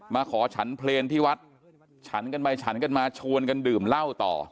มาขอฉันเพลงที่วัดฉันกันไปฉันกันมาชวนกันดื่มเหล้าต่อ